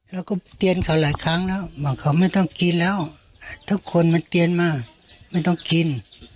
เราก็เตือนเขาหลายครั้งแล้วบอกเขาไม่ต้องกินแล้วทุกคนมันเตียนมาไม่ต้องกิน